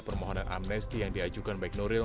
permohonan amnesti yang diajukan baik nuril